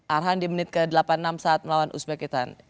arhan di menit ke delapan puluh enam saat melawan uzbekitan